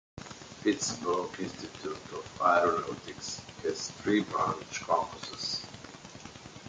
Pittsburgh Institute of Aeronautics has three branch campuses.